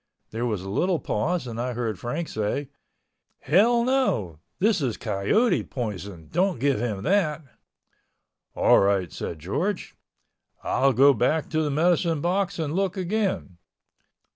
There was a little pause and I heard Frank say, "Hell no, this is coyote poison, don't give him that." "All right," George said, "I'll go back to the medicine box and look again."